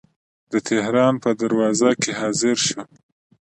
د تهران په دروازه کې حاضر شو.